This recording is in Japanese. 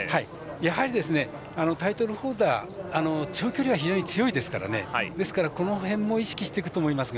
やはりタイトルホルダー長距離は非常に強いですからですから、この辺も意識していると思いますね。